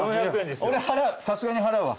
さすがに払うわ。